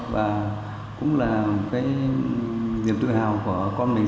và cũng là cái niềm tự hào của con mình